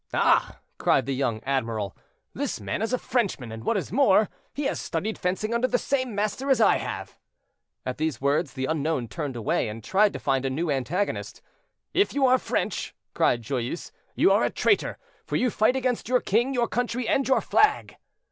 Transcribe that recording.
"Ah!" cried the young admiral, "this man is a Frenchman, and what is more, he has studied fencing under the same master as I have." At these words the unknown turned away, and tried to find a new antagonist. "If you are French," cried Joyeuse, "you are a traitor, for you fight against your king, your country, and your flag."